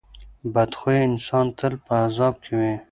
بد خویه انسان تل په عذاب کې وي.